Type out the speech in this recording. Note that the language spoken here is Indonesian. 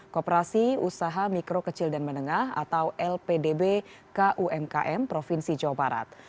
koperasi usaha mikro kecil dan menengah atau lpdb kumkm provinsi jawa barat